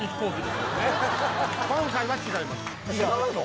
今回は違います違うの？